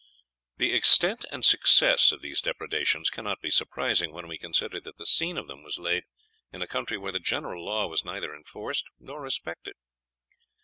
The extent and success of these depredations cannot be surprising, when we consider that the scene of them was laid in a country where the general law was neither enforced nor respected.